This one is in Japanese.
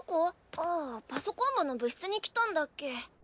ああパソコン部の部室に来たんだっけ？